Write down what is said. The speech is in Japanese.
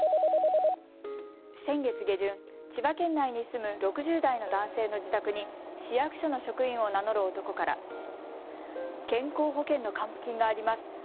先月下旬、千葉県内に住む６０代の男性の自宅に市役所の職員を名乗る男から健康保険の還付金があります。